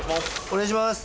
お願いします